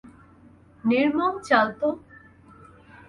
নির্মম চাল তো।